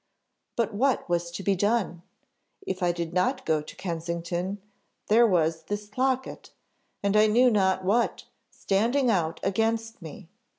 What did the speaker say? But what was to be done? If I did not go to Kensington, there was this locket, and I knew not what, standing out against me.